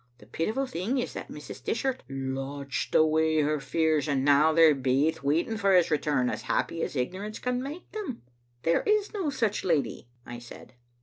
The pitiful thing is that Mrs. Dish art lauched awa her fears, and now they're baith waiting for his return, as happy as ignorance can make them," " There is no such lady," I said.